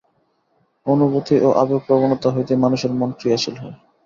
অনুভূতি ও আবেগপ্রবণতা হইতেই মানুষের মন ক্রিয়াশীল হয়।